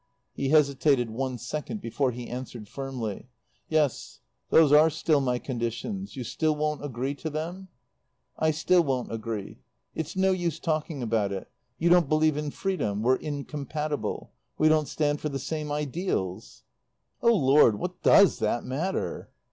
He hesitated one second before he answered firmly. "Yes, those are still my conditions. You still won't agree to them?" "I still won't agree. It's no use talking about it. You don't believe in freedom. We're incompatible. We don't stand for the same ideals." "Oh, Lord, what does that matter?"